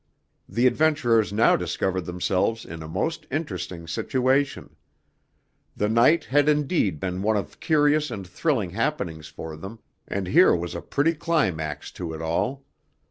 The adventurers now discovered themselves in a most interesting situation. The night had indeed been one of curious and thrilling happenings for them, and here was a pretty climax to it all!